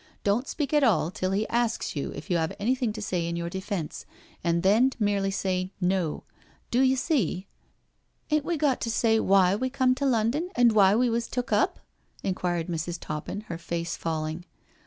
Don't speak at all till he asks you if you have anything to say in your defence, and then merely say * No.' Do you see?'* " Ain't we got to say why we come to London and why we was took up?" inquired Mrs. Toppin, her face falling.